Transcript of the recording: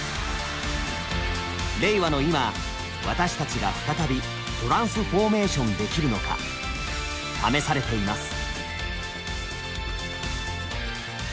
令和の今私たちが再びトランスフォーメーションできるのか試されています。